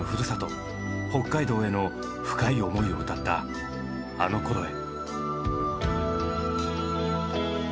北海道への深い思いを歌った「あの頃へ」。